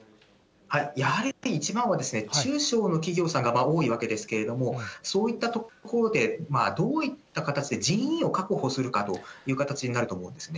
やはり一番は、中小の企業さんが多いわけですけれども、そういった所でどういった形で人員を確保するかという形になると思うんですね。